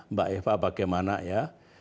mbak eva bagaimana ya